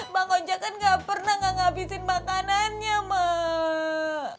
bang ojak kan gak pernah gak ngabisin makanannya mak